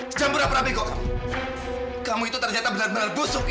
jangan berapa apa gok kamu itu ternyata benar benar busuk ya